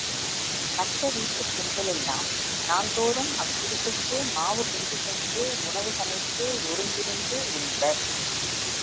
மற்ற வீட்டுப் பெண்களெல்லாம் நாள்தோறும் அக்குடிசைக்கு மாவு கொண்டு சென்று, உணவு சமைத்து ஒருங்கிருந்து உண்பர்.